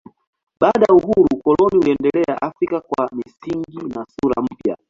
Baada ya uhuru ukoloni unaendelea Afrika kwa misingi na sura mpya.